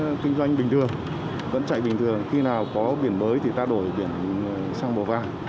các hộ kinh doanh bình thường vẫn chạy bình thường khi nào có biển mới thì ta đổi biển sang màu vàng